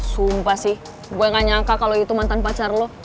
sumpah sih gue gak nyangka kalau itu mantan pacar lo